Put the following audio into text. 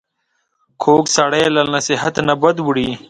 کوږ سړی له نصیحت نه بد وړي